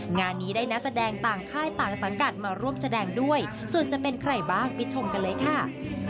งานนี้ได้นักแสดงต่างค่ายต่างสังกัดมาร่วมแสดงด้วยส่วนจะเป็นใครบ้างไปชมกันเลยค่ะ